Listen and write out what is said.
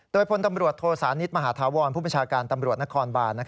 โดยพลตำรวจโทสานิทมหาธาวรผู้บัญชาการตำรวจนครบาน